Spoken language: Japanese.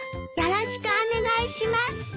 よろしくお願いします。